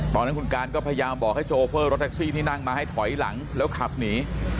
ตอนนั้นคุณการก็พยายามบอกให้โชเฟอร์รถแท็กซี่ที่นั่งมาให้ถอยหลังแล้วขับหนี